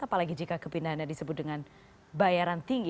apalagi jika kepindahan yang disebut dengan bayaran tinggi